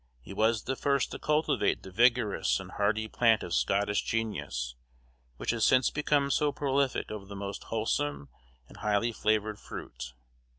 He was the first to cultivate the vigorous and hardy plant of Scottish genius, which has since become so prolific of the most wholesome and highly flavored fruit.